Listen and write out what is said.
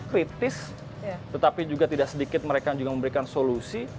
kritis tetapi juga tidak sedikit mereka juga memberikan solusi